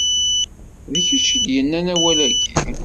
D kečč i d-yennan awal-agi?